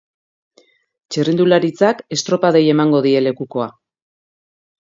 Txirrindularitzak estropadei emango die lekukoa.